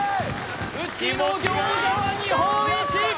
うちの餃子は日本一！